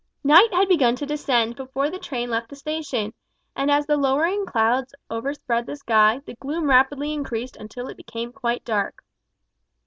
Night had begun to descend before the train left the station, and as the lowering clouds overspread the sky, the gloom rapidly increased until it became quite dark.